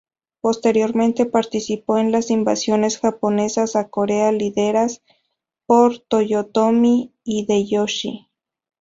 Posteriormente participó en las invasiones japonesas a Corea lideradas por Toyotomi Hideyoshi.